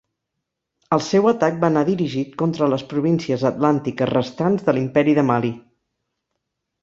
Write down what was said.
El seu atac va anar dirigit contra les províncies atlàntiques restants de l'Imperi de Mali.